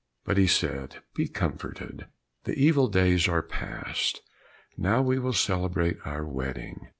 But he said, "Be comforted, the evil days are past; now we will celebrate our wedding."